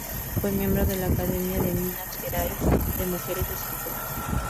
Fue miembro de la Academia de Minas Gerais de mujeres escritoras.